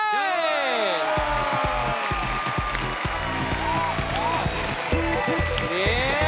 เย้